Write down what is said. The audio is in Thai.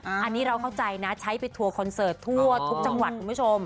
อันนี้เราเข้าใจนะใช้ไปทัวร์คอนเสิร์ตทั่วทุกจังหวัดคุณผู้ชม